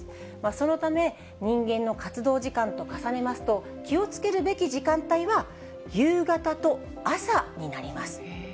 そのため人間の活動時間と重ねますと、気をつけるべき時間帯は、夕方と朝になります。